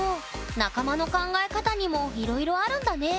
仲間の考え方にもいろいろあるんだね。